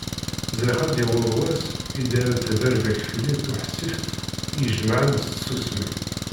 Ẓriɣ ad d-yaweḍ wass i deg ara tebberbek fell-i tuḥsift i jemaɛen s tsusmi.